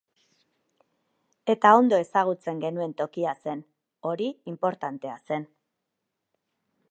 Eta ondo ezagutzen genuen tokia zen, hori inportantea zen.